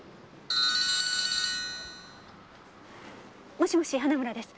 もしもし花村です。